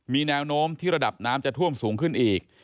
มีแนวโน้มที่ระดับน้ำจะท่วมสูงขึ้นอีก